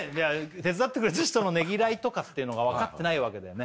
手伝ってくれた人のねぎらいとかってのが分かってないわけだよね